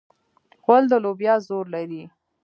غول د لوبیا زور لري.